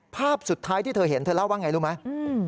ภาพสุดท้ายที่เธอเห็นเธอเล่าว่าไงรู้ไหม